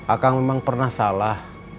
akang memang pernah salah